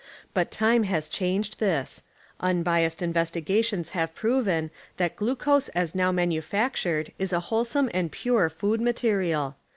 But time has changed this ; unbiased investigations have proven that glucose as now manufactured is a wholesome and pure food material.